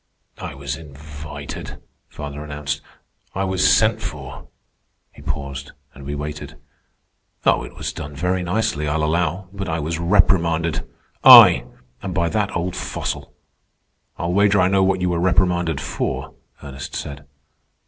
"I was invited," father announced. "I was sent for." He paused, and we waited. "Oh, it was done very nicely, I'll allow; but I was reprimanded. I! And by that old fossil!" "I'll wager I know what you were reprimanded for," Ernest said.